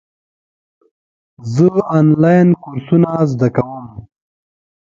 زه آنلاین کورسونه زده کوم.